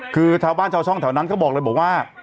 คือบ้านชาวช่องแถวนั้นก็บอกเลยว่า